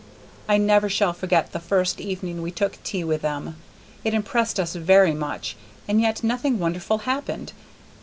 I never shall forget the first evening we took tea with them; it impressed us very much, and yet nothing wonderful happened.